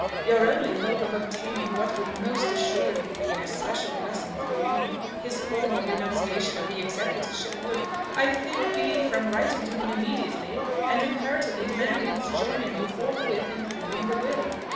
Your only hope of obtaining what would most assuredly be an especial blessing for you, his formal renunciation of the executorship, would, I think, be from writing to him immediately, and imperatively demanding his joining you forthwith in proving the will.